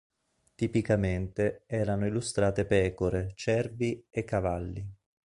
Tipicamente, erano illustrate pecore, cervi e cavalli.